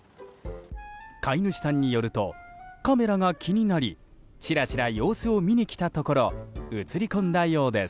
飼い主さんによるとカメラが気になりちらちら様子を見に来たところ映り込んだようです。